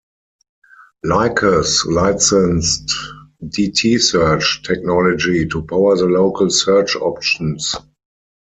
Lycos licensed dtSearch technology to power the local search options.